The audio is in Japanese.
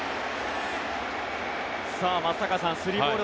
松坂さん３ボール